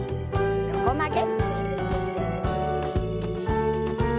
横曲げ。